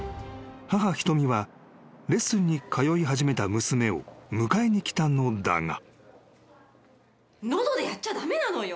母ひとみはレッスンに通い始めた娘を迎えに来たのだが］